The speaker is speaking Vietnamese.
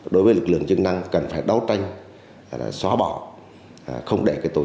đối với lực lượng chức năng cần phải đấu tranh xóa bỏ không để tổ chức này tồn tại trong đời sống nhân dân